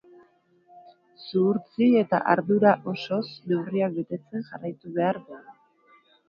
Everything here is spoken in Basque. Zuhurtzi eta ardura osoz neurriak betetzen jarraitu behar dugu.